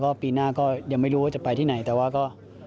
ปีหน้าก็ยังไม่รู้ว่าจะไปที่ไหนแต่ว่าก็